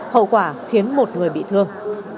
hậu quả khiến một người bị thương